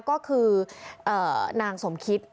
ก็คือนางสมคิต